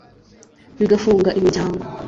bigafunga imiryango